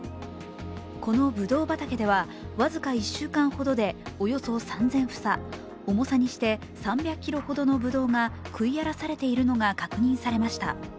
このぶどう畑では僅か１週間ほどでおよそ３０００房、重さにして３００ｋｇほどのぶどうが食い荒らされているのが確認されました。